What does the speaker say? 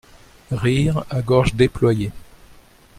Rire à gorge déployée.